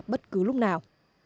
bất cứ lúc nào